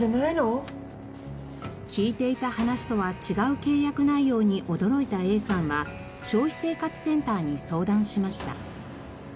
聞いていた話とは違う契約内容に驚いたＡさんは消費生活センターに相談しました。